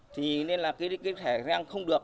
thì nên là cái thời gian không được